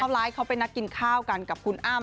ไลฟ์เขาไปนัดกินข้าวกันกับคุณอ้ำ